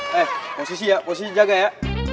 eh posisi ya posisi jaga ya